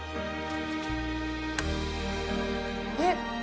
えっ？